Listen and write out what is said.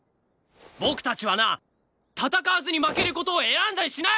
僕たちはな戦わずに負ける事を選んだりしない！